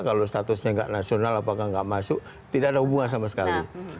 kalau statusnya nggak nasional apakah nggak masuk tidak ada hubungan sama sekali